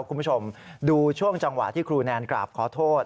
คุณผู้ชมดูช่วงจังหวะที่ครูแนนกราบขอโทษ